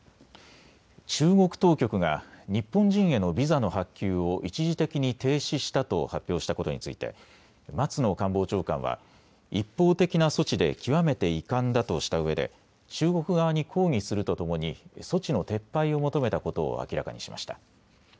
中国当局が日本人へのビザの発給を一時的に停止したと発表したことについて松野官房長官は一方的な措置で極めて遺憾だとしたうえで中国側に抗議するとともに措置の撤廃を求めたことを明らかにしました。